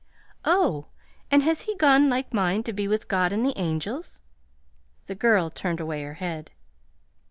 "Oh, and has he gone like mine to be with God and the angels?" The girl turned away her head.